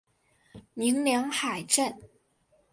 鸣梁海战